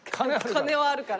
「金はあるから」。